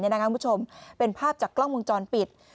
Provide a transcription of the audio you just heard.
ในหน้างานผู้ชมเป็นภาพจากกล้องวงจรปิด